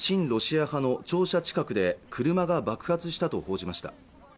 ロシア派の庁舎近くで車が爆発したと報じました